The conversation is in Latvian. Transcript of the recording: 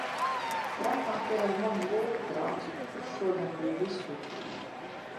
Trakāk ir ar manu lūpu krāsu, kas šodien bija visur.